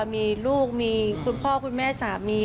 มีลูกมีคุณพ่อคุณแม่สามี